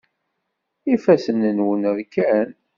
Ifassen-nwen rkan.